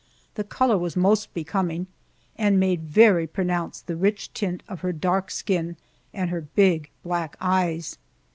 The color was most becoming, and made very pronounced the rich tint of her dark skin and her big black eyes.